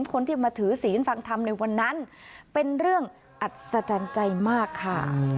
คนที่มาถือศีลฟังธรรมในวันนั้นเป็นเรื่องอัศจรรย์ใจมากค่ะ